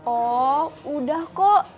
oh udah kok